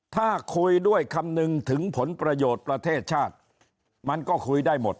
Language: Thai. ถ้าคุยด้วยคำนึงถึงผลประโยชน์ประเทศชาติมันก็คุยได้หมด